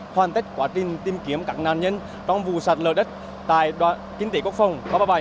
hoàn tất quá trình tìm kiếm các nạn nhân trong vụ sạt lở đất tại đoàn kinh tế quốc phòng ba trăm ba mươi bảy